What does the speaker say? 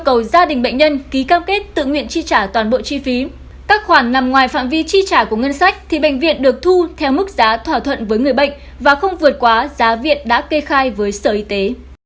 hãy đăng ký kênh để ủng hộ kênh của chúng mình nhé